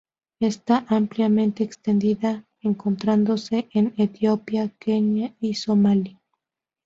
Está ampliamente extendida, encontrándose en Etiopía, Kenia y Somalia.